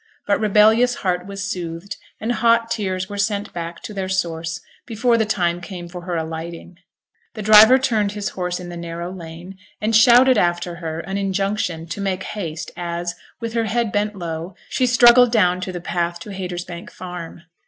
But rebellious heart was soothed, and hot tears were sent back to their source before the time came for her alighting. The driver turned his horse in the narrow lane, and shouted after her an injunction to make haste as, with her head bent low, she struggled down to the path to Haytersbank Farm.